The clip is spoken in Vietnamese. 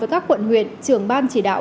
với các quận huyện trưởng ban chỉ đạo